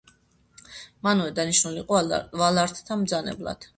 მანუე დანიშნული იყო ვალართა მბრძანებლად.